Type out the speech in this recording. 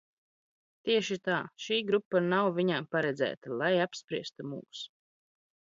Tieši tā. Šī grupa nav viņām paredzēta, lai apspriestu mūs.